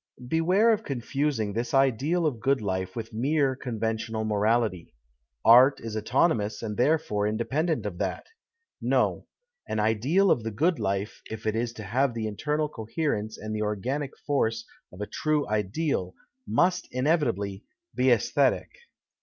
Beware of confusing this ideal of good life with mere conventional morality. Art is autonomous and therefore independent of that. No ;" an ideal of the good life, if it is to have the internal coherence and the organic force of a true ideal, must inevitably be ajsthctic.